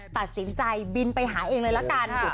ตัดสินใจบินไปหาเองเลยละกัน